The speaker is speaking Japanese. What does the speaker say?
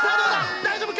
大丈夫か？